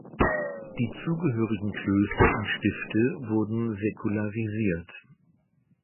Die zugehörigen Klöster und Stifte wurden säkularisiert.